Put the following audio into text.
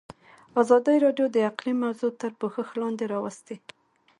ازادي راډیو د اقلیم موضوع تر پوښښ لاندې راوستې.